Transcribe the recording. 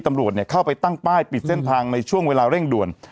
ตำรวจเข้าไปตั้งป้ายปิดเส้นทางในช่วงเวลาเร่งด่วน